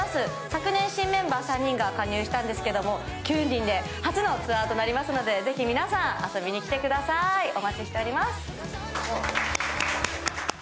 昨年新メンバー３人が加入したんですけれども、９人で初のツアーとなりますので、ぜひ皆さん、遊びに来てください、お待ちしております。